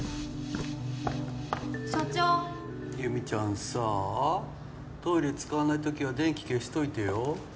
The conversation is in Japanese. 所長ユミちゃんさあトイレ使わない時は電気消しといてよ